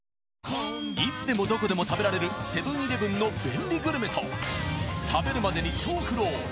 いつでもどこでも食べられるセブン‐イレブンの便利グルメと食べるまでに超苦労